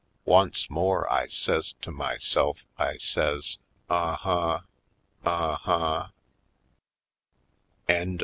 Once more I says to myself, I says : ''Vh huh, uh huh!